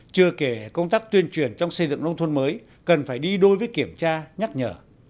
chưa kể công tác tuyên truyền trong xây dựng nông thôn mới cần phải đi đôi với kiểm tra nhắc nhở